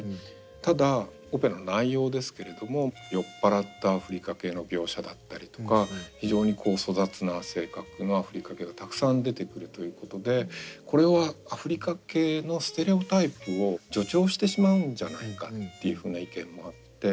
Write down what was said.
ただオペラの内容ですけれども酔っ払ったアフリカ系の描写だったりとか非常に粗雑な性格のアフリカ系がたくさん出てくるということでこれはアフリカ系のステレオタイプを助長してしまうんじゃないかっていうふうな意見もあって。